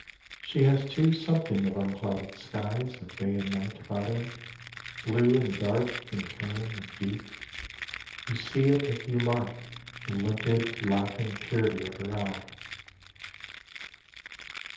She has too something of unclouded skies Of day and night about her, blue and dark In turn, and deep. You see it if you mark The limpid laughing purity of her eyes.